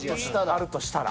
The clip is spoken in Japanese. あるとしたら。